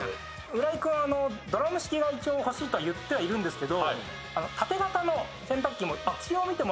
浦井君、ドラム式が一応欲しいとは言っているんですけど。